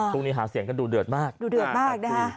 ตรงนี้หาเสียงกันดูเดือดมาก